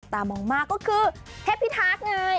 ตามองมากก็คือเทพิทักษ์ไง